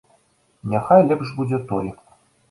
Няхай лепш будзе той.